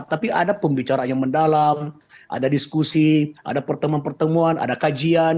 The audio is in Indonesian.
tapi ada pembicaraan yang mendalam ada diskusi ada pertemuan pertemuan ada kajian